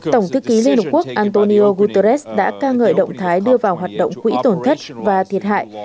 tổng thư ký liên hợp quốc antonio guterres đã ca ngợi động thái đưa vào hoạt động quỹ tổn thất và thiệt hại